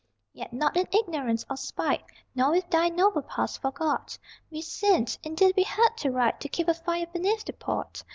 Yet not in ignorance or spite, Nor with Thy noble past forgot We sinned: indeed we had to write To keep a fire beneath the pot.